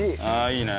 いいね。